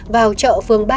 vào chợ phương ba